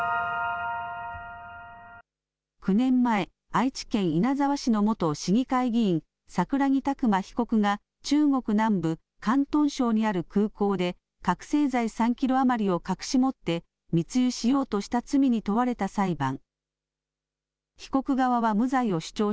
９年前、愛知県稲沢市の元市議会議員、桜木琢磨被告が中国南部、広東省にある空港で、覚醒剤３キロ余りを隠し持って密輸しようとした罪に問われた裁判。